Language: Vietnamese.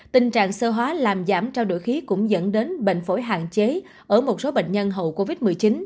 tình trạng sơ hóa làm giảm trao đổi khí cũng dẫn đến bệnh phổi hạn chế ở một số bệnh nhân hậu covid một mươi chín